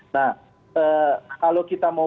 nah kalau kita mau